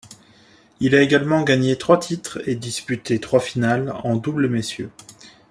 Il a également gagné trois titres et disputé trois finales en double messieurs.